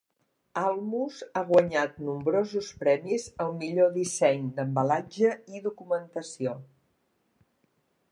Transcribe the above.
Almus ha guanyat nombrosos premis al millor disseny d'embalatge i documentació.